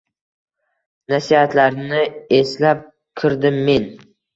Nasihatlarini eslab kirdim men.